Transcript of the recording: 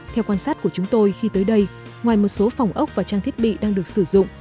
theo quan sát của chúng tôi khi tới đây ngoài một số phòng ốc và trang thiết bị đang được sử dụng